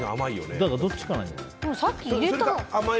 だからどっちかなんじゃない？